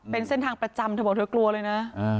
เป็นเส้นทางประจำเธอบอกเธอกลัวเลยนะ